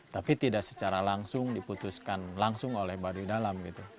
tapi tidak secara langsung diputuskan langsung oleh baduidalam gitu